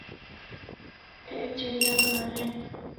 اے چڑیا گھر اے۔